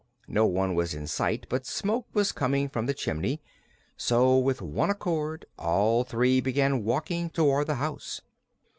No one was in sight, but smoke was coming from the chimney, so with one accord all three began walking toward the house.